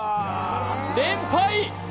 連敗！